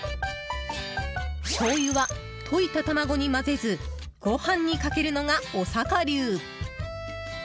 しょうゆは溶いた卵に混ぜずご飯にかけるのが、おさか流。